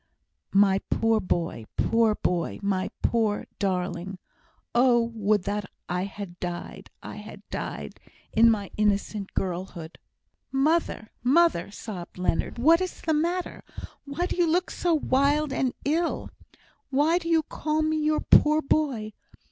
"My poor, poor boy! my poor, poor darling! Oh! would that I had died I had died, in my innocent girlhood!" "Mother! mother!" sobbed Leonard. "What is the matter? Why do you look so wild and ill? Why do you call me your 'poor boy'?